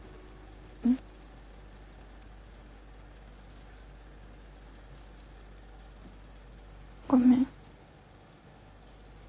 ん？ごめん。